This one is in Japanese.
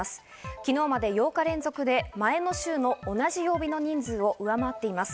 昨日まで８日連続で前の週の同じ曜日の人数を上回っています。